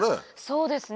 そうですね